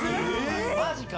マジか？